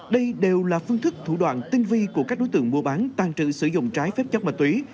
đây đều là phương thức thủ đoạn tinh vi của các đối tượng mua bán tàn trữ sử dụng trái phép chất ma túy